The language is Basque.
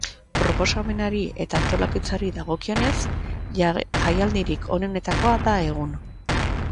Proposamenari eta antolakuntzari dagokienez, jaialdirik onenetakoa da egun.